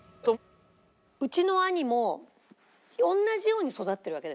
うちの兄も同じように育ってるわけですよ